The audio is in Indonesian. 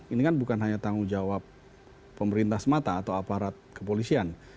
ini kan bukan hanya tanggung jawab pemerintah semata atau aparat kepolisian